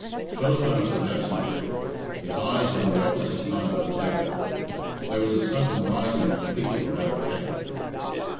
Philip answered absently; his eyes were on the opposite side of the table. There was a sudden rising of the people about Kate.